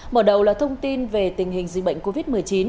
mở đầu là thông tin về tình hình dịch bệnh covid một mươi chín